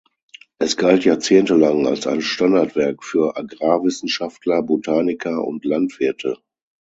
Es galt jahrzehntelang als ein Standardwerk für Agrarwissenschaftler, Botaniker und Landwirte.